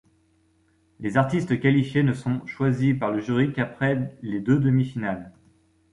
Les artistes qualifiés ne sont choisis par le jury qu'après les deux demi-finales.